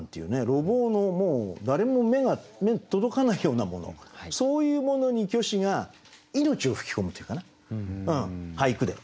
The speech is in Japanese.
路傍の誰も目の届かないようなものそういうものに虚子が命を吹き込むというかな俳句で。